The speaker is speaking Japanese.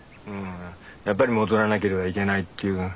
やっぱり戻らなければいけないっていう